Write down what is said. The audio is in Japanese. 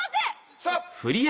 ストップ！